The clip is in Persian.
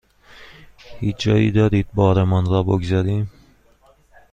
هیچ جایی دارید بارمان را بگذاریم؟